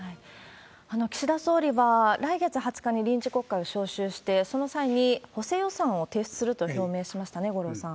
岸田総理は、来月２０日に臨時国会を招集して、その際に補正予算を提出すると表明しましたね、五郎さん。